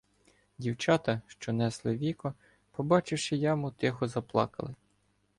Дівчата, що несли віко, побачивши яму, тихо заплакали.